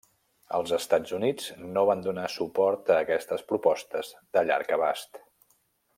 Els Estats Units no van donar suport a aquestes propostes de llarg abast.